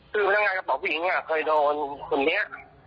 คือว่างักปลากผู้หญิงเคยโดนคนนี้